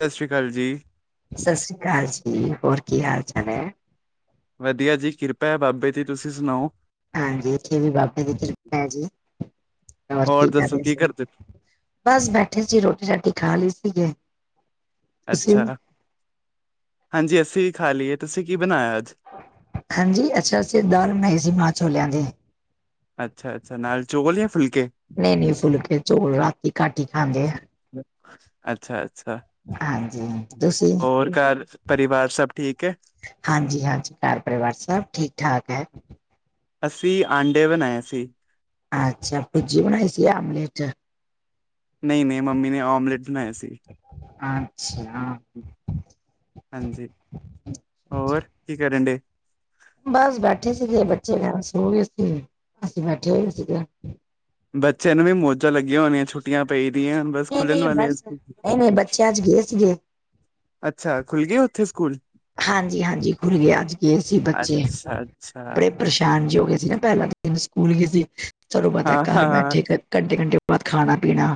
ਸਤਿ ਸ਼੍ਰੀ ਅਕਾਲ ਜੀ। ਸਤਿ ਸ੍ਰੀ ਅਕਾਲ ਜੀ, ਹੋਰ ਕੀ ਹਾਲ ਚਾਲ ਹੈ? ਵਧੀਆ ਜੀ, ਕਿਰਪਾ ਐ ਬਾਬੇ ਦੀ ਤੁਸੀਂ ਸੁਣਾਓ? ਹਾਂਜੀ, ਇੱਥੇ ਵੀ ਬਾਬੇ ਦੀ ਕਿਰਪਾ ਐ ਜੀ, ਹੋਰ ਔਰ ਕੀ ਕਰ ਦੱਸੋ ਰਹੇ ਸੀ? ਕਰਦੇ ਬਸ ਬੈਠੇ ਸੀ ਰੋਟੀ-ਰਾਟੀ ਖਾ ਲਈ ਸੀਗੇ। ਤੁਸੀਂ ਅੱਛਾ, ਹਾਂਜੀ, ਅੱਸੀ ਵੀ ਖਾ ਲੀਏ ਤੁਸੀਂ ਕੀ ਬਣਾਇਆ ਅੱਜ? ਹਾਂਜੀ, ਅੱਛਾ ਅਸੀਂ ਦਾਲ ਬਣਾਈ ਸੀ ਮਾਂਹ ਛੋਲਿਆਂ ਦੀ। ਅੱਛਾ-ਅੱਛਾ, ਨਾਲ ਚੋਲ ਜਾਂ ਫੁਲਕੇ? ਨਈ-ਨਈ, ਫੁਲਕੇ ਚੋਲ ਰਾਤੀ ਘੱਟ ਈ ਖਾਂਦੇ ਆ। ਅੱਛਾ-ਅੱਛਾ। ਹਾਂਜੀ ਤੁਸੀਂ ਹੋਰ ਘਰ- ਪਰਿਵਾਰ ਸਭ ਠੀਕ ਹੈ। ਹਾਂਜੀ-ਹਾਂਜੀ, ਘਰ-ਪਰਿਵਾਰ ਸਭ ਠੀਕ ਠਾਕ ਹੈ। ਅਸੀਂ ਆਂਡੇ ਬਣਾਏ ਸੀ। ਅੱਛਾ, ਭੁਰਜੀ ਬਣਾਈ ਸੀ ਆਮਲੇਟ। ਨਹੀਂ-ਨਹੀਂ, ਮੰਮੀ ਨੇ ਆਮਲੇਟ ਬਣਾਇਆ ਸੀ। ਅੱਛਾ। ਹਾਂਜੀ, ਹੋਰ ਕੀ ਕਰਨ ਡੇ? ਬਸ ਬੈਠੇ ਸੀਗੇ ਬੱਚੇ ਸੋ ਗਏ ਸੀ, ਅਸੀਂ ਬੈਠੇ ਹੋਏ ਸੀਗੇ। ਬੱਚਿਆਂ ਨੂੰ ਵੀ ਮੌਜਾਂ ਲੱਗੀਆਂ ਹੋਣੀਆਂ ਛੁੱਟੀਆਂ ਪਈ ਦੀਆਂ। ਬਸ ਨਹੀਂ, ਖੁੱਲਣ ਨਹੀਂ ਵਾਲੇ ਆ ਬਸ, ਸਕੂਲ। ਇਹ ਨਹੀਂ ਬੱਚੇ ਅੱਜ ਗਏ ਸੀਗੇ। ਅੱਛਾ, ਖੁੱਲ ਗਏ ਉੱਥੇ ਸਕੂਲ। ਹਾਂਜੀ, ਹਾਂਜੀ ਖੁੱਲ੍ਹ ਗਏ ਅੱਜ ਗਏ ਸੀ ਬੱਚੇ। ਅੱਛਾ ਅੱਛਾ ਬੜੇ ਪਰੇਸ਼ਾਨ ਜੀ ਹੋ ਗਏ ਸੀ ਨਾ। ਪਹਿਲਾਂ ਦਿਨ ਸਕੂਲ ਗਏ ਸੀ। ਚਲੋ ਪਤਾ ਹਾਂ ਘਰ ਹਾਂ ਹਾਂ ਬੈਠੇ ਘੰਟੇ- ਘੰਟੇ ਬਾਅਦ ਖਾਣਾ- ਪੀਣਾ।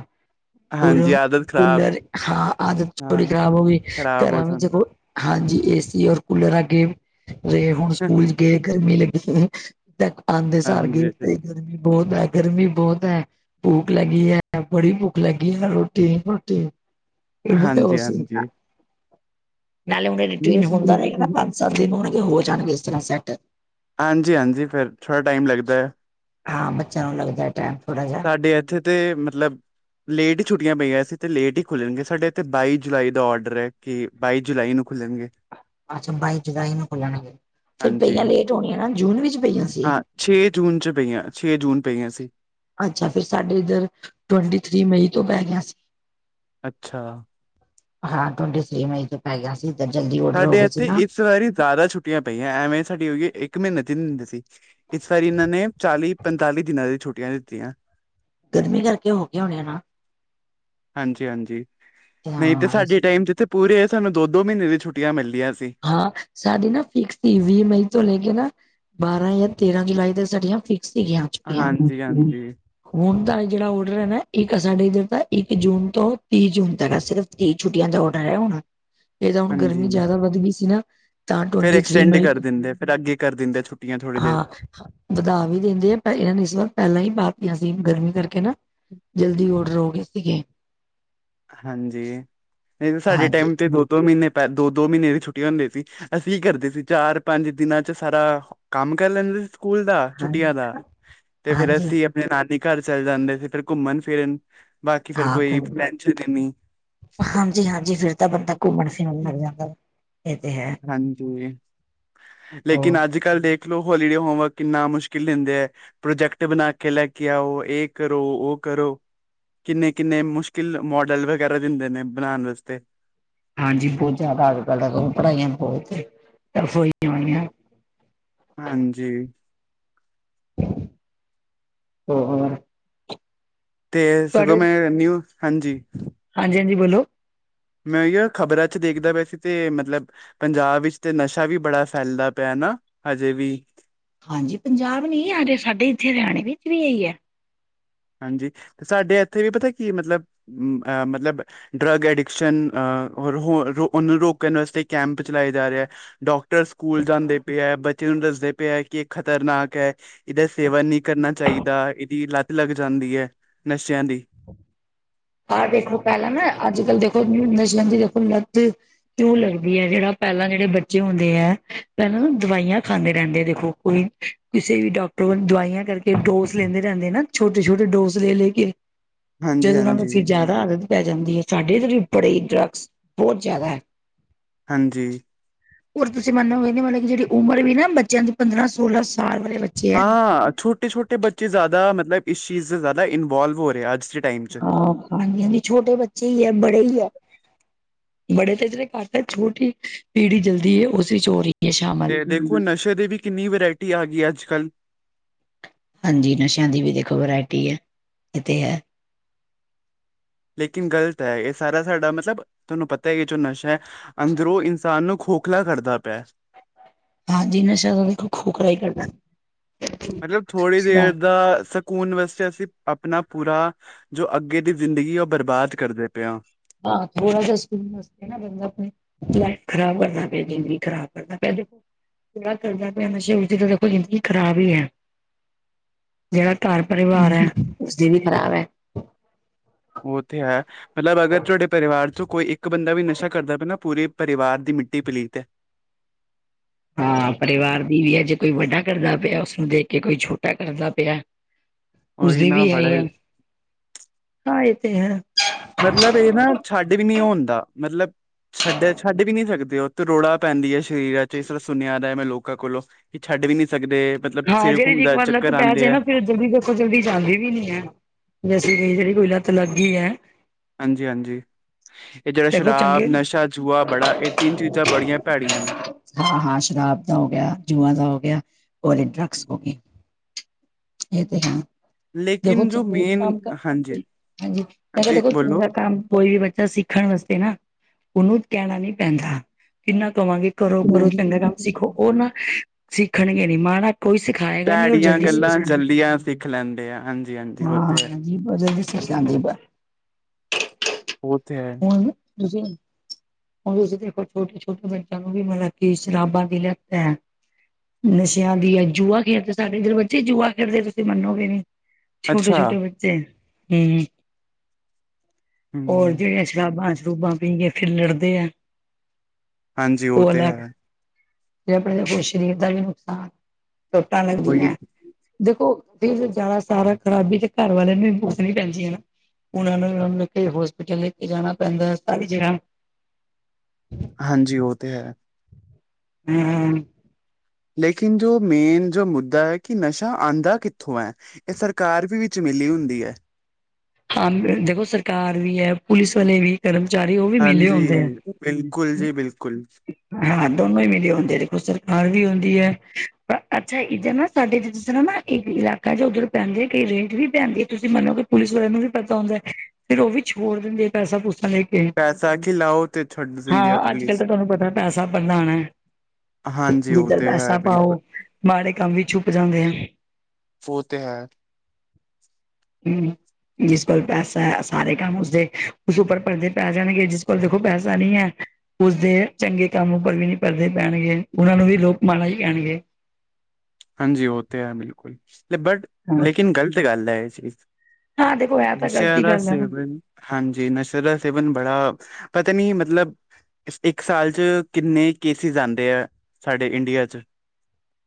ਹਾਂਜੀ ਆਦਤ ਖ਼ਰਾਬ ਕੂਲਰ ਹਾਂ, ਆਦਤ ਹਾਂ ਥੋੜੀ ਖ਼ਰਾਬ ਹੋ ਗਈ ਖ਼ਰਾਬ ਹੋ ਘਰਾਂ ਵਿੱਚ ਜਾਣ ਹਾਂਜੀ, ਏ ਸੀ ਔਰ ਕੂਲਰ ਅਗੇ ਰਹੇ ਹੁਣ ਸਕੂਲ ਚ' ਗਏ ਗਰਮੀ ਲੱਗੀ। ਆਂਦੇ ਸਾਰ ਹਾਂਜੀ ਗੇਮ ਦੇਖਦੇ ਗਰਮੀ ਬਹੁਤ ਹੈ। ਗਰਮੀ ਬਹੁਤ ਹੈ। ਭੁਖ ਲੱਗੀ ਹੈ, ਬੜੀ ਭੁੱਖ ਲੱਗੀ ਹੈ। ਰੋਟੀ, ਰੋਟੀ। ਫਿਰ ਬੜੇ ਹੋ ਹਾਂਜੀ [unintelligible] ਸੀ ਹਾਂਜੀ ਨਾਲੇ ਹੁ ਟਨ ਹੁੰਦਾ ਰਹਿ ਬੰ [unintelligible] ਸਬ ਠੀਕ ਹੋਣਗੇ ਹੋ ਜਾਣਗੇ ਸੇ ਸੈੱਟ। ਹਾਂਜੀ, ਹਾਂਜੀ ਫਿਰ ਥੋੜ੍ਹਾ ਟਾਈਮ ਲੱਗਦਾ ਹੈ। ਹਾਂ, ਬੱਚਿਆਂ ਨੂੰ ਲੱਗਦਾ ਟਾਈਮ ਥੋੜ੍ਹਾ ਜਿਹਾ। ਸਾਡੇ ਇੱਥੇ ਤੇ ਮਤਲਬ ਲੇਟ ਹੀ ਛੁੱਟੀਆਂ ਪਈਆ ਸੀ ਤੇ ਲੇਟ ਹੀ ਖੁੱਲ੍ਹਣਗੇ ਸਾਡੇ ਇੱਥੇ ਬਾਈ ਜੁਲਾਈ ਦਾ ਔਡਰ ਹੈ। ਕਿ ਬਾਈ ਜੁਲਾਈ ਨੂੰ ਖੁੱਲਣਗੇ। ਅੱਛਾ, ਬਾਈ ਜੁਲਾਈ ਨੂੰ ਖੁੱਲਣਗੇ। ਫੇਰ ਹਾਂਜੀ ਪਈਆਂ ਲੇਟ ਹੋਣੀਆਂ ਨਾ ਜੂਨ ਵਿੱਚ ਪਈਆਂ ਸੀ। ਹਾਂ ਛੇ ਜੂਨ ਚ 'ਪਈਆਂ ਛੇ ਜੂਨ ਪਈਆਂ ਸੀ। ਅੱਛਾ, ਫਿਰ ਸਾਡੇ ਇੱਧਰ ਟਵੈਂਟੀ ਥ੍ਰੀ ਮਈ ਤੋਂ ਪੈ ਗਿਆ ਸੀ। ਅੱਛਾ। ਹਾਂ, ਟਵੰਟੀ ਥ੍ਰੀ ਮਈ ਚ' ਪੈ ਗਿਆ ਸੀ। ਤਾਂ ਜਲਦੀ ਔਡਰ ਹੋ ਸਾਡੇ ਗਏ ਸੀ ਇੱਥੇ ਨਾ ਇਸ ਵਾਰੀ ਜ਼ਿਆਦਾ ਛੁੱਟੀਆਂ ਪਈਆਂ। ਐਵੇਂ ਸਾਡੀ ਹੋਈ ਇੱਕ ਮਹੀਨੇ ਚ' ਦਿੰਦੇ ਸੀ। ਇਸ ਵਾਰੀ ਇਹਨਾਂ ਨੇ ਚਾਲੀ- ਪੰਤਾਲੀ ਦਿਨਾਂ ਦੀ ਛੁੱਟੀਆਂ ਦਿੱਤੀਆਂ। ਗਰਮੀ ਕਰਕੇ ਹੋਗੀ ਹੋਣੀ ਆ ਨਾ। ਹਾਂਜੀ, ਹਾਂਜੀ ਨਹੀਂ ਹਾਂ ਤੇ ਸਾਡੇ ਟਾਈਮ ਚ ਤੇ ਪੂਰਿਆ ਸਾਨੂੰ ਦੋ ਦੋ ਮਹੀਨੇ ਦੀ ਛੁੱਟੀਆਂ ਮਿਲਦੀਆਂ ਸੀ। ਹਾਂ ਸਾਡੀ ਨਾ ਫਿਕਸ ਸੀ ਵੀਹ ਮਈ ਤੋਂ ਲੈ ਕੇ ਨਾ ਬਾਰਾਂ ਯ ਤੇਰਾਂ ਜੁਲਾਈ ਦੇ ਸਾਡੀਆਂ ਫਿਕਸ ਸੀਗੀਆਂ ਛੁਟਿਆ। ਹਾਂਜੀ ਹਾਂਜੀ ਹੁਣ ਤਾਂ ਜਿਹੜਾ ਔਡਰ ਹੈ ਨਾ ਇੱਕ ਸਾਡੇ ਇੱਧਰ ਦਾ ਇੱਕ ਜੂਨ ਤੋਂ ਤੀਹ ਜੂਨ ਤਕ ਹੈ ਸਿਰਫ ਤੀਹ ਛੁੱਟੀਆਂ ਦਾ ਔਡਰ ਹੈ ਹੁਣ ਇਹ ਤਾਂ ਹੁਣ ਗਰਮੀ ਹਾਂਜੀ ਜ਼ਿਆਦਾ ਵੱਧ ਗਈ। ਸੀ ਨਾ ਤਾ ਫਿਰ ਟਵੰਟੀ ਥ੍ਰੀ ਐਕਸਟੈਂਡ ਮਈ ਕਰ ਤੋ ਦਿੰਦੇ ਫਿਰ ਅੱਗੇ ਕਰ ਦਿੰਦੇ ਛੁੱਟੀਆਂ ਥੋੜ੍ਹੀ ਦੇਰ ਹਾ ਵਧਾ ਵੀ ਦਿੰਦੇ ਆ ਇਹਨਾਂ ਨੇ ਇਸ ਵਾਰ ਪਹਿਲਾਂ ਹੀ ਪਾਤੀਆਂ ਸੀ ਗਰਮੀ ਕਰਕੇ ਨਾ ਜਲਦੀ ਔਡਰ ਹੋ ਗਏ ਸੀਗੇ। ਹਾਂਜੀ। ਨਹੀ ਤੇ ਸਾਡੇ ਹਾਂਜੀ ਟਾਈਮ ਤੇ ਦੋ ਦੋ ਮਹੀਨੇ ਪੈ ਦੋ ਦੋ ਮਹੀਨੇ ਦੀ ਛੁੱਟੀ ਹੁੰਦੀ ਸੀ। ਅਸੀਂ ਕਰਦੇ ਸੀ ਚਾਰ- ਪੰਜ ਦਿਨਾਂ ਚ' ਸਾਰਾ ਕੰਮ ਕਰ ਲੈਂਦੇ ਸੀ ਸਕੂਲ ਦਾ, ਹਾਂ ਛੁੱਟੀਆਂ ਦਾ ਤੇ ਫੇਰ ਹਾਂਜੀ ਅਸੀਂ ਫਿਰ ਨਾਨੀ ਘਰ ਚਲੇ ਜਾਂਦੇ ਸੀ ਫਿਰ ਘੁੰਮਣ ਫਿਰਨ ਬਾਕੀ ਫੇਰ ਹਾਂ ਕੋਈ ਘੁੰਮ ਟੈਨਸ਼ਨ ਹੀ ਨੀ। ਹਾਂਜੀ, ਹਾਂਜੀ ਫਿਰ ਤਾਂ ਬੰਦਾ ਘੁੰਮਣ ਫਿਰਨ ਲੱਗ ਜਾਂਦਾ। ਇਹ ਤੇ ਹੈ ਹਾਂਜੀ, ਹੋਰ ਲੇਕਿਨ ਅੱਜ ਅੱਜ ਕੱਲ੍ਹ ਦੇਖ ਲਓ, ਹੋਲੀਡੇ ਹੋਮਵਰਕ ਕਿੰਨਾ ਮੁਸ਼ਕਿਲ ਦਿੰਦੇ ਹੈ। ਪ੍ਰੋਜੈਕਟ ਬਣਾ ਕੇ ਲੈ ਕੇ ਆਓ। ਇਹ ਕਰੋ, ਉਹ ਕਰੋ, ਕਿੰਨੇ -ਕਿੰਨੇ ਮੁਸ਼ਕਿਲ। ਕਿਲ ਮੋਡਲ ਵਗੈਰਾ ਦਿੰਦੇ ਨੇ ਬਣਾਣ ਵਾਸਤੇ। ਹਾਂਜੀ, ਬਹੁਤ ਜ਼ਿਆਦਾ ਅੱਜ ਕੱਲ੍ਹ ਪੜ੍ਹਾਈਆਂ ਬਹੁਤ ਟੱਫ ਹੋਈਆਂ ਹੋਈਆਂ। ਹਾਂਜੀ। ਹੋਰ ਤੇ ਸਗੋਂ ਤੁਹਾਡੇ ਮੈਂ ਨਿੳ ਹਾਂਜੀ। ਹਾਂਜੀ, ਹਾਂਜੀ ਬੋਲੋ। ਮੈਂ ੳਈੳ ਖ਼ਬਰਾਂ ਚ ਦੇਖਦਾ ਪਇਆ ਸੇ ਤੇ ਮਤਲਬ ਪੰਜਾਬ ਵਿੱਚ ਤੇ ਨਸ਼ਾ ਵੀ ਬੜਾ ਫੈਲਦਾ ਪਿਆ ਨਾ ਹਜੇ ਵੀ ਹਾਂਜੀ, ਪੰਜਾਬ ਨੀ ਹਰੇ ਸਾਡੇ ਇੱਥੇ ਹਰਿਆਣੇ ਵਿੱਚ ਵੀ ਇਹੀ ਹੈ। ਹਾਂਜੀ ਤੇ ਸਾਡੇ ਐਥੇ ਵੀ ਪਤਾ ਕੀ ਮਤਲਬ ਅਹ ਮਤਲਬ ਡਰੱਗ ਐਡਿਕਸ਼ਨ ਅਹ ਹੋਰ ਓਹਨੂੰ ਰੋਕਣ ਆਸਤੇ ਕੈਂਪ ਚਲਾਏ ਜਾ ਰਹੇ ਆ। ਡਾਕਟਰ ਸਕੂਲ ਜਾਂਦੇ ਪਏ ਆ ਬੱਚੇ ਨੂੰ ਦੱਸਦੇ ਪਏ ਹੈ ਕਿ ਇਹ ਖ਼ਤਰਨਾਕ ਹੈ। ਇਹਦਾ ਸੇਵਨ ਨਹੀਂ ਕਰਨਾ ਚਾਹੀਦਾ ਇਹਦੀ ਲੱਤ ਲੱਗ ਜਾਂਦੀ ਹੈ ਨਸ਼ਿਆਂ ਦੀ। ਆ ਦੇਖੋ ਪਹਿਲਾਂ ਨਾ ਅੱਜ ਕੱਲ੍ਹ ਦੇਖੋ ਨਸ਼ਿਆਂ ਦੀ ਦੇਖੋ ਲੱਤ ਲੂ ਲੱਗਦੀ ਹੈ ਜੇੜਾ ਪਹਿਲਾਂ ਜੇੜੇ ਬੱਚੇ ਹੁੰਦੇ ਹੈ ਪਹਿਲਾਂ ਨਾ ਦਵਾਈਆਂ ਖਾਂਦੇ ਰਹਿੰਦੇ ਆ ਦੇਖੋ ਕੋਈ ਕਿਸੇ ਵੀ ਡਾਕਟਰ ਵੱਲ ਦਵਾਈਆਂ ਕਰਕੇ ਡੋਸ ਲੈਂਦੇ ਰਹਿੰਦੇ ਨਾ ਛੋਟੇ, ਛੋਟੇ ਡੋਸ ਲੈ ਲੈ ਕੇ ਹਾਂਜੀ ਜਦੋਂ ਉਹਨਾ ਨੂੰ ਹਾਂਜੀ ਫੇਰ ਜਾਦਾ ਆਦਤ ਪੈ ਜਾਂਦੀ ਏ ਸਾਡੇ ਇਧਰ ਵੀ ਬੜੇ ਈ ਡਰੱਗਸ ਬਹੁਤ ਜ਼ਿਆਦਾ। ਹਾਂਜੀ। ਹੋਰ ਤੁਸੀਂ ਮੰਨੋ ਗੇ ਨੀ ਮਤਲਬ ਕੀ ਜੇੜੀ ਉਮਰ ਵੀ ਨਾ ਬੱਚਿਆਂ ਦੀ ਪੰਦਰਾਂ ਸੋਲਾਂ ਸਾਲ ਵਾਲੇ ਬ ਹਾਂ ਛੋਟੇ, ਛੋਟੇ ਬੱਚੇ ਜ਼ਿਆਦਾ ਮਤਲਬ ਇਸ ਚੀਜ਼ ਜ਼ਿਆਦਾ ਇਨਵੋਲਵ ਹੋ ਰਿਹਾ ਅੱਜ ਟਾਈਮ 'ਚ ਹਾਂ ਹਾਂਜੀ-ਹਾਂਜੀ ਛੋਟੇ ਬੱਚੇ ਵੀ ਹੈ ਬੜੇ ਵੀ ਹੈ। ਬੜੇ ਤੇ ਜਰੇ ਘੱਟ ਹੈ ਛੋਟੀ ਪੀੜੀ ਜਲਦੀ ਏ ਉਸ ਚੋ [unintelligible] ਸ਼ਾਮ ਤੇ ਦੇਖੋ ਨਸ਼ੇ ਦੀ ਵੀ ਕਿੰਨੀ ਵੈਰਾਇਟੀ ਆ ਗਈ ਅੱਜ ਕੱਲ੍ਹ ਹਾਂਜੀ ਨਸ਼ਿਆਂ ਦੀ ਵੀ ਦੇਖੋ ਵੈਰਾਇਟੀ ਹੈ ਏਹ ਤੇ ਹੈ। ਲੇਕਿਨ ਗ਼ਲਤ ਹੈ ਇਹ ਸਾਰਾ ਸਾਡਾ ਮਤਲਬ ਤੁਵਾਨੂੰ ਪਤਾ ਏਹ ਜੋ ਨਸ਼ਾ ਅੰਦਰੋਂ ਇਨਸਾਨ ਨੂੰ ਖੋਖਲਾ ਕਰਦਾ ਪਿਆ। ਹਾਂਜੀ ਨਸ਼ਾ ਤਾਂ ਦੇਖੋ ਖੋਖਲਾ ਈ ਕਰਦਾ। ਮਤਲਬ ਥੋੜੀ ਦੇਰ ਸ਼ਰਾਬ ਦਾ ਅਸ ਸਕੂਨ ਵਾਸਤੇ ਅਸੀਂ ਆਪਣਾ ਪੂਰਾ ਜੋ ਅੱਗੇ ਦੀ ਜ਼ਿੰਦਗੀ ਹੈ ਉਹ ਬਰਬਾਦ ਕਰਦੇ ਪਏ ਆਂ। ਹਾਂ ਥੋੜਾ ਜ ਸਕੁਨ [unintelligible] ਲਾਈਫ ਖ਼ਰਾਬ ਕਰਦਾ ਪਿਆ ਜ਼ਿੰਦਗੀ ਖ਼ਰਾਬ ਕਰਦਾ। [unintelligible] ਵਿਆਹ ਕਰਦਾ ਪਿਆ ਨਸ਼ੇ ਵਿਚ ਜੇੜਾ ਔਹ ਜ਼ਿੰਦਗੀ ਖਰਾਬ ਈ ਹੈ। ਜੇੜਾ ਘਰ ਪਰਿਵਾਰ ਹੈ ਉਸਦੀ ਵੀ ਖ਼ਰਾਬ ਹੈ। ਓ ਤੇ ਹੈ ਮਤਲਬ ਅਗਰ ਤੁਵਾਡੇ ਪਰਿਵਾਰ ਚੋਂ ਕੋਈ ਇੱਕ ਬੰਦਾ ਵੀ ਨਸ਼ਾ ਕਰਦਾ ਪਿਆ ਨਾ ਪੂਰੇ ਪਰਿਵਾਰ ਦੀ ਮਿੱਟੀ ਪਲੀਤ ਹੈ। ਹਾਂ ਪਰਿਵਾਰ ਦੀ ਵੀ ਹੈ, ਜੇ ਕੋਈ ਵੱਡਾ ਕਰਦਾ ਪਿਆ ਓਸ ਨੂੰ ਦੇਖ ਕੇ ਕੋਈ ਛੋਟਾ ਕਰਦਾ ਪਯਾ ਉਹੀ ਨਾ ਬੜਾ [unintelligible] ਹੀ ਹਾਂ ਏ ਤੇ ਹੈ। ਮਤਲਬ ਏ ਨਾ ਛੱਡ ਵੀ ਨੀ ਹੁੰਦਾ, ਮਤਲਬ ਛੱਡੇ, ਛੱਡ ਵੀ ਨੀ ਸਕਦੇ ਓ ਤਰੌੜਾ ਪੈਂਦੀ ਹੈ ਸ਼ਰੀਰਾਂ ਚ ਇਸ ਤਰ੍ਹਾਂ ਸੁਨਯਾ ਦਾ ਮੈਂ ਲੋਕਾਂ ਕੋਲੋਂ। ਕਿ ਛੱਡ ਵੀ ਨੀ ਸਕਦੇ ਮਤਲਬ ਹਾਂ ਸਿਰ ਜੇੜੀ ਇੱਕ ਘੁੰਮਦਾ ਵਾਰ ਲੱਤ ਚੱਕਰ ਪੈ ਆਉਂਦੇ ਜੇ ਹੈ ਨਾ ਫੇਰ ਜਲਦੀ ਓ ਓ ਜਲਦੀ ਜਾਂਦੀ ਵੀ ਨੀ ਹੈ ਵੈਸੇ ਜੇੜੀ, ਜੇੜੀ ਕੋਈ ਲੱਤ ਲੱਗ ਗਈ ਹੈ। ਹਾਂਜੀ, ਹਾਂਜੀ। ਇਹ ਜੇੜਾ ਦੇਖੋ ਸ਼ਰਾਬ ਚੰਗੇ ਨਸ਼ਾ ਜੂਆ ਬੜਾ ਇਹ ਤਿੰਨ ਚੀਜ਼ਾਂ ਬੜੀਆਂ ਪੈੜੀਆਂ ਨੇ। ਹਾਂ-ਹਾਂ ਸ਼ਰਾਬ ਦਾ ਹੋ ਗਿਆ ਜੂਆਂ ਦਾ ਹੋ ਗਿਆ ਹੋਰ ਏਹ ਡਰਗਸ ਹੋ ਗਈ ਇਹ ਤੇ ਹੈ [unintelligible] [unintelligible] ਲੇਕਿਨ ਜੋ ਮੇਨ ਹਾਂਜੀ, ਹਾਂਜੀ ਬੋਲੋ। ਕੋਈ ਵੀ ਬੱਚਾ ਸਿੱਖਣ ਵਾਸਤੇ ਨਾ ਉਹਨੂੰ ਕਹਿਣਾ ਨੀ ਪੈਂਦਾ ਕਿੰਨਾ ਕਹਵਾਂਗੇ। ਕਰੋ ਕਰੋ ਚੰਗਾ ਕੰਮ ਸਿੱਖੋ ਉਹ ਨਾ ਸਿੱਖਣਗੇ ਨੀ ਮਾੜਾ ਕੋਈ ਸਿਖਾਏਗਾ ਨੀ ਔਰ ਭੈੜੀਆਂ ਜਲਦੀ ਸਿੱਖ ਗੱਲਾਂ ਜਾਣ ਗੇ, ਜਲਦੀਆਂ ਸਿੱਖ ਲੈਂਦੇ ਆ ਹਾਂਜੀ-ਹਾਂਜੀ ਉਹ ਹਾਂ। ਤੇ ਹੈ, [unintelligible] ਔ ਤੇ ਹੈ। [unintelligible] ਹੁਣ ਤੁਸੀਂ ਦੇਖੋ ਛੋਟੇ-ਛੋਟੇ ਬੱਚਿਆਂ ਨੂੰ ਵੀ [unintelligible] ਕਿ ਸ਼ਰਾਬਾਂ ਦੀ ਲਤ ਹੈ। ਨਸੇ਼ਆਂ ਦੀ ਐ ਜੂਆ ਖੇਡਦੇ ਸਾਡੇ ਏਧਰ ਬੱਚੇ ਜੂਆ ਖੇਡਦੇ ਤੁਸੀ ਮੰਨੋਗੇ ਨੀ। ਅੱਛਾ, ਛੋਟੇ-ਛੋਟੇ ਬੱਚੇ, ਹੂੰ, ਹੋਰ ਹੂੰ ਜੇੜ ਸ਼ਰਾਬਾਂ ਸ਼ਰੂਬਾਂ ਪੀ ਕੇ ਫਿਰ ਲੜਦੇ ਹੈ, ਹਾਂਜੀ ਉਹ ਔਹ ਤੇ ਅਲੱਗ। ਹੈ, ਤੇ ਆਪਣੇ ਔ ਸ਼ਰੀਰ ਦਾ ਵੀ ਨੁਕਸਾਨ ਚੋਟਾਂ ਉਹੀ ਲੱਗਦੀਆਂ। ਦੇਖੋ [unintelligible] ਖ਼ਰਾਬੀ ਤੇ ਘਰ ਵਾਲੇਆਂ ਨੂੰ ਭੁਗਤਨੀ ਪੈਂਦੀਆਂ ਨਾ। ਓਹਨਾਂ ਨੂੰ ਹੋਸਪਿਟਲ ਲੈ ਕੇ ਜਾਣਾ ਪੈਂਦਾ ਸਾਰੀ ਜਗ੍ਹਾ ਹਾਂਜੀ ਓ ਤੇ ਹੈ। ਹੂੰ ਹੂੰ। ਲੇਕਿਨ ਜੋ ਮੇਨ ਜੋ ਮੁੱਦਾ ਐ ਕਿ ਨਸ਼ਾ ਆਂਦਾ ਕਿੱਥੋਂ ਐ? ਐ ਸਰਕਾਰ ਵੀ ਵਿੱਚ ਮਿਲੀ ਹੁੰਦੀ ਐ। ਹਾਂ ਦੇਖੋ ਸਰਕਾਰ ਵੀ ਐ। ਪੁਲਿਸ ਵਾਲੇ ਵੀ ਕਰਮਚਾਰੀ ਓ ਵੀ ਮਿਲੇ ਹਾਂਜੀ, ਹੁੰਦੇ ਐ। ਬਿਲਕੁਲ ਜੀ ਬਿਲਕੁਲ, ਹਾਂ ਦੋਨੋਂ ਈ ਮਿਲੇ ਹੁੰਦੇ। ਦੇਖੋ ਸਰਕਾਰ ਵੀ ਹੁੰਦੀ ਐ। ਪਰ ਅੱਛਾ ਇੱਧਰ ਨਾ ਸਾਡੇ ਤੇ ਸੁਨੋ ਨਾ ਇੱਕ ਇਲਾਕਾ ਜੋ ਓਧਰ ਪੈਂਦੇ ਕਈ ਰੇਡ ਵੀ ਪੈਂਦੀ ਐ ਤੁਸੀ ਮੰਨੋਗੇ ਪੁਲਿਸ ਨੂੰ ਵੀ ਪਤਾ ਹੁੰਦਾ ਫੇਰ ਔ ਵੀ ਛੋੜ ਦਿੰਦੇ ਆ ਪੈਸਾ ਪੂਸਾ ਲੈ ਕੇ ਪੈਸਾ ਖਿਲਾਓ ਤੇ ਛੱਡ ਹਾਂ ਦਿੰਦੇ ਆ ਅੱਜ ਕੱਲ ਪੁਲਿਸ। ਤੇ ਤੁਹਾਨੂੰ ਪਤਾ ਪੈਸਾ ਪ੍ਰਧਾਨ ਐ। ਹਾਂਜੀ ਉਹ ਜਿੱਧਰ ਤੇ ਪੈਸਾ ਹੈ ਬਿਲਕੁਲ ਪਾਓ ਮਾੜੇ ਕੰਮ ਵੀ ਛੁੱਪ ਜਾਂਦੇ ਐ। ਓ ਤੇ ਹੈ। ਹੂਂ। ਜਿਸ ਕੋਲ ਪੈਸਾ ਹੈ ਸਾਰੇ ਕੰਮ ਉਸਦੇ ਉਸ ਉੱਪਰ ਪਰਦੇ ਪੈ ਜਾਣਗੇ ਜਿਸ ਕੋਲ ਦੇਖੋ ਪੈਸਾ ਨਈ ਹੈ ਉਸਦੇ ਚੰਗੇ ਕੰਮ ਉੱਪਰ ਵੀ ਨੀ ਪਰਦੇ ਪੈਣਗੇ। ਓਨਾਂ ਨੂੰ ਵੀ ਲੋਕ ਮਾੜਾ ਈ ਕਹਿਣਗੇ। ਹਾਂਜੀ ਓ ਤੇ ਹੈ ਬਿਲਕੁਲ ਬਟ ਹਾਂ ਲੇਕਿਨ ਗ਼ਲਤ ਗੱਲ ਐ ਏਹ ਚੀਜ਼ ਹਾਂ ਦੇਖੋ ਇਹ ਤਾਂ ਨਸੇ਼ਆਂ ਗ਼ਲਤੀ ਦਾ ਗੱਲ ਹੈ ਸੇਵਨ। ਹਾਂਜੀ ਨਸ਼ੇ ਦਾ ਸੇਵਨ ਬੜਾ ਪਤਾ ਨੀ ਮਤਲਬ ਇੱਕ ਸਾਲ ਚ ਕਿੰਨੇ ਕੇਸਿਸ ਆਂਦੇ ਐ ਸਾਡੇ ਇੰਡੀਆ ਚ।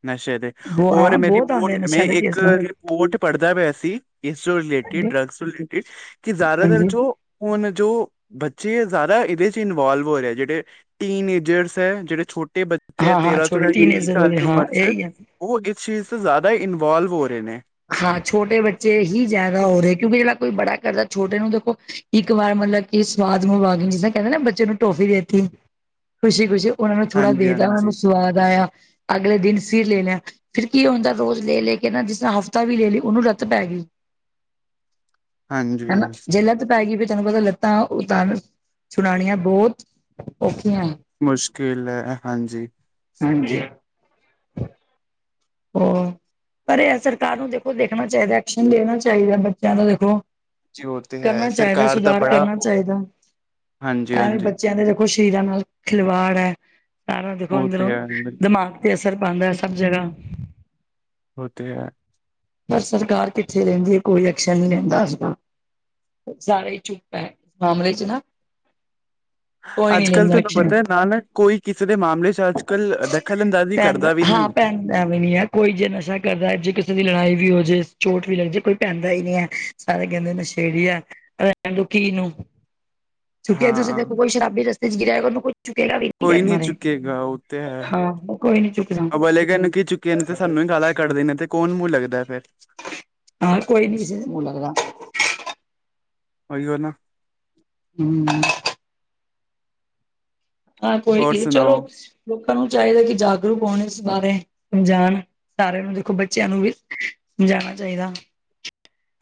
ਨਸ਼ੇ ਦੇ। ਔਰ ਹਾਂ ਮੈਂ ਬਹੁਤ ਆਉਂਦੇ ਰਿਪੋਰਟ ਮੈਂ ਨਸ਼ਿਆਂ ਦੇ ਇੱਕ ਕੇਸ ਤਾਂ ਰਿਪੋਰਟ ਪੜ੍ਹਦਾ ਪਿਆ ਸੀ ਇਸ ਤੋਂ ਰਿਲੇਟਿਡ ਡਰਗਜ਼ ਤੋਂ ਰਿਲੇਟਿਡ। ਕਿ ਜ਼ਿਆਦਾਤਰ ਹਾਂਜੀ ਜੋ ਹੁਣ ਜੋ ਬੱਚੇ ਹੈ ਜ਼ਆਦਾ ਇਹਦੇ ਚ ਇਨਵੋਲਵ ਹੋ ਰਹੇ ਐ। ਜਿਹੜੇ ਟੀਨ ਏਜਰਸ ਐ ਜੇਹੜੇ ਛੋਟੇ ਬੱਚੇ ਐ ਹਾਂ ਹਾਂ ਤੇਰਾਂ ਤੋਂ ਛੋਟੇ ਲੈ ਕੇ ਵੀਹ ਟੀਨਏਜਰ ਸਾਲ ਵਾਲੇ ਦੀ ਹਾਂ ਉਮਰ ਚ ਇਹੀ ਹੈ ਓ ਇਸ ਚੀਜ਼ ਤੇ ਜਾਂਦਾ ਇਨਵਾਲਵ ਹੋ ਰਹੇ ਨੇ। ਹਾਂ ਛੋਟੇ ਬੱਚੇ ਹੀ ਜ਼ਿਆਦਾ ਹੋ ਰਹੇ ਕਿਉਂਕਿ ਜਿਹੜਾ ਕੋਈ ਬੜਾ ਕਰਦਾ ਛੋਟੇ ਨੂੰ ਦੇਖੋ ਇੱਕ ਵਾਰ ਮਤਲਬ ਕਿ ਸਵਾਦ ਮੁਹ ਲਵਾ ਗਈ ਜਿਸ ਕਹਿੰਦੇ ਨਾ ਬੱਚੇ ਨੂੰ ਟੋਫੀ ਦੇ ਦਿੱਤੀ ਖੁਸ਼ੀ-ਖੁਸ਼ੀ ਉਹਨਾਂ ਨੂੰ ਥੋੜਾ ਹਾਂਜੀ ਦੇਤਾ ਉਹਨਾਂ ਨੂੰ ਹਾਂਜੀ ਸਵਾਦ ਆਇਆ ਅਗਲੇ ਦਿਨ ਸੀਰ ਲੈਣਾ ਫਿਰ ਕੀ ਹੁੰਦਾ ਰੋਜ਼ ਲੈ ਲੈ ਕੇ ਨਾ ਜਿਸ ਹ ਵੀ ਲੈ ਲਈ ਉਹਨੂੰ ਰੱਤ ਪੈ ਗਈ ਹੈਨਾ ਹਾਂਜੀ ਜੇਲ ਅਪੈ ਗਈ ਵੀ ਤੁਹਨੂੰ ਪਤਾ ਲੱਤਾਂ ਉਤਨ ਸੁੜਾਣੀਆਂ ਬਹੁਤ ਔਖੀਆਂ ਹੈ ਮੁਸ਼ਕਿਲ ਹੈ ਹਾਂਜੀ ਹਾਂਜੀ ਹੋ ਪਰ ਏ ਸਰਕਾਰ ਨੂੰ ਦੇਖੋ ਦੇਖਣਾ ਚਾਹੀਦਾ ਐਕਸ਼ਨ ਲੈਣਾ ਚਾਹੀਦਾ ਬੱਚੇਆਂ ਦਾ ਦੇਖੋ। ਜੀ ਉਹ ਤੇ ਹੈ ਕਰਨਾ ਚਾਹੀਦਾ ਸਰਕਾਰ ਦਾ ਸੁਧਾਰ ਬੜਾ ਕਰਨਾ ਚਾਹੀਦਾ। ਹਾਂਜੀ ਐਵੇਂ ਹਾਂਜੀ ਬੱਚੇਆਂ ਦੇ ਸ਼ਰੀਰਾਂ ਨਾਲ ਖਿਲਵਾੜ ਐ। ਸਾਰਾ ਦੇਖੋ ਉਹ ਤੇ ਅੰਦਰੋਂ ਹੈ ਦਿਮਾਗ ਤੇ ਅਸਰ ਪਾਂਦਾ ਐ ਸਭ ਜਗ੍ਹਾ। ਓ ਤੇ ਹੈ। ਪਰ ਸਰਕਾਰ ਪਿਛੇ ਰਹਿੰਦੀ ਏ। ਕੋਈ ਐਕਸ਼ਨ ਨਈ ਲੈਂਦਾ। ਸਾਰੇ ਈ ਚੁੱਪ ਐ ਇਸ ਮਾਮਲੇ ਚ ਨਾ। ਕੋਈ ਨੀ ਅੱਜ ਕੱਲ੍ਹ ਲੈਂਦਾ ਤੁਹਾਨੂੰ ਐਕਸ਼ਨ ਪਤਾ ਐ ਨਾਲ ਨਾ ਕੋਈ ਕਿਸੇ ਦੇ ਮਾਮਲੇ ਚ ਅੱਜ ਕੱਲ ਦਖਲਅੰਦਾਜ਼ੀ ਭੈਣ ਕਰਦਾ ਦਾ ਵੀ ਨੀ। ਹਾਂ ਭੈਣ ਐਵੇਂ ਨੀ ਐ ਕੋਈ ਜੇ ਨਸ਼ਾ ਕਰਦਾ ਜੇ ਕਿਸੇ ਦੀ ਲੜਾਈ ਵੀ ਹੋ ਜੇ ਚੋਟ ਵੀ ਲੱਗ ਜੇ ਕੋਈ ਪੈਂਦਾ ਈ ਨੀ ਐ। ਸਾਰੇ ਕਹਿੰਦੇ ਨਸ਼ੇੜੀ ਆ ਕਹਿਣ ਦੈ ਤੈਨੁ ਕੀ ਨੂੰ ਚੁੱਕਿਆ ਦੂਸਰੇ ਹਾਂ ਦੇਖੋਈ ਸ਼ਰਾਬੀ ਰਸਤੇ ਚ ਗਿਰਿਆ ਹੋਇਗਾ ਉਰਨੂ ਕੋਈ ਚੁੱਕੇਗਾ ਵੀ ਨਹੀਂ ਕੋਈ ਨਹੀਂ ਚੁੱਕੇ ਗਾ ਉਹ ਤਾਂ ਹੈ ਹਾਂ ਕੋਈ ਨੀ ਚੁੱਕਦਾ ਅਬ ਅਲੇਗੜ੍ਹ ਨ ਕੀ ਚੁੱਕ ਇਕ ਤੇ ਸਾਨੂੰ ਹੀ ਗਾਂਲਾ ਕੱਢਦੇ ਨੇ ਤੇ ਕੌਣ ਮੂੰਹ ਲੱਗਦਾ ਫਿਰ ਹਾਂ ਕੋਈ ਨੀ ਕਿਸੇ ਦੇ ਮੂੰਹ ਲੱਗਦਾ ਓਇਯੋ ਨਾ ਹਮ ਹਾਂ ਕੋਈ ਹੋਰ ਨੀ ਸੁਣਾਓ ਚਲੋ ਲੋਕਾਂ ਨੂੰ ਚਾਹੀਦਾ ਕਿ ਜਾਗਰੂਕ ਹੋਣ ਇਸ ਬਾਰੇ ਸਮਝਾਣ, ਸਾਰਿਆਂ ਨੂੰ ਦੇਖੋ ਬੱਚਿਆਂ ਨੂੰ ਵੀ ਸਮਝਾਉਣਾ ਚਾਹੀਦਾ।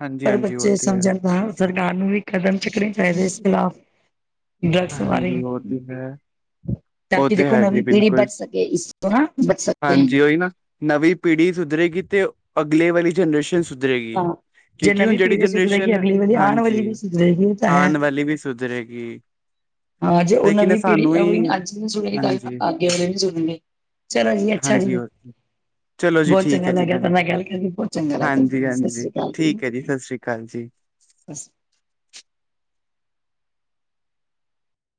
ਹਾਂਜੀ ਪਰ ਹਾਂਜੀ ਉਹ ਬੱਚੇ ਤੇ ਹੈ ਸਮਝਣ ਤਾਂ ਸਰਕਾਰ ਨੂੰ ਵੀ ਕਦਮ ਚੱਕਣੇ ਚਾਹੀਦੇ ਇਸ ਖਿਲਾਫ਼, ਡਰੱਗਸ ਹਾਂਜੀ, ਬਾਰੇ ਹੋਰ ਠੀਕ ਹੈ, ਤਾਂ ਉਹ ਕਿ ਤੇ ਦੇਖੋ ਹੈ ਜੀ ਨਵੀਂ ਪੀੜ੍ਹੀ ਬਿਲਕੁਲ, ਬਚ ਸਕੇ ਇਸ ਤੋਂ ਨਾ ਬਚ ਸਕੇ ਹਾਂਜੀ ਉਹੀ ਨਾ, ਨਵੀਂ ਪੀੜ੍ਹੀ ਸੁਧਰੇਗੀ ਤੇ ਅਗਲੇ ਵਾਲੀ ਜਨਰੇਸ਼ਨ ਸੁਧਰੇਗੀ, ਹਾਂ ਜੇ ਕਿਉਂਕਿ ਹੁਣ ਨਵੀਂ ਜਿਹੜੀ ਪੀੜ੍ਹੀ ਸੁਧਰੇਗੀ ਜਨਰੇਸ਼ਨ, ਅਗਲੀ ਵਾਲੀ ਆਉਣ ਵਾਲੀ ਹਾਂਜੀ ਵੀ ਸੁਧਰੇਗੀ ਇਹ ਤਾਂ ਹੈ ਆਉਣ ਵਾਲੀ ਵੀ ਸੁਧਰੇਗੀ ਲੇਕਿਨ ਏ ਸਾਨੂੰ ਹੀ ਸੁਣੀ ਗੱਲ ਹਾਂਜੀ ਅਗੇੇ ਵੀ ਸੁਣਨਗੇ, ਚਲੋ ਜੀ ਅੱਛਾ ਹਾਂਜੀ ਜੀ। ਉਹ ਚਲੋ ਜੀ ਬਹੁਤ ਠੀਕ ਚੰਗਾ ਹੈ ਜੀ ਲੱਗਿਆ ਭੈਣ ਤੁਹਾਡੇ ਜੀ ਨਾਲ ਗੱਲ ਕਰ ਲਈ ਬਹੁ ਚੰਗਾ ਲੱਗਾ ਜੀ ਹਾਂਜੀ ਸਤਿ ਹਾਂਜੀ ਸ਼੍ਰੀ ਅਕਾਲ ਜੀ ਠੀਕ ਹੈ ਸਤਿ ਸ੍ਰੀ ਅਕਾਲ ਜੀ ਸ